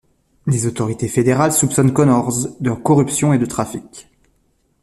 Les autorités fédérales soupçonnent Connors de corruption et de trafic.